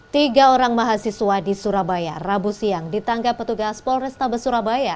tiga orang mahasiswa di surabaya rabu siang ditangkap petugas polrestabes surabaya